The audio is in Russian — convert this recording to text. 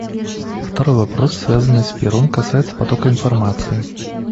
Второй вопрос, связанный с первым, касается потока информации.